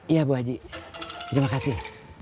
iya bu aji terima kasih